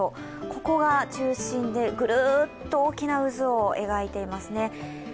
ここが中心でぐるっと大きな渦を描いていますね。